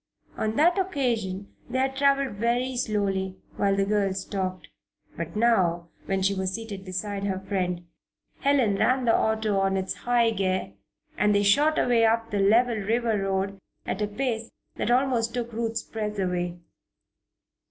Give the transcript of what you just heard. On that occasion they had traveled very slowly, while the girls talked. But now, when she was seated beside her new friend, Helen ran the auto on its high gear, and they shot away up the level river road at a pace that almost took Ruth's breath away.